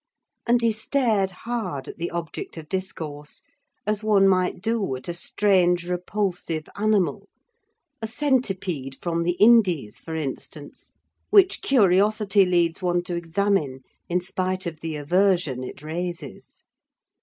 And he stared hard at the object of discourse, as one might do at a strange repulsive animal: a centipede from the Indies, for instance, which curiosity leads one to examine in spite of the aversion it raises.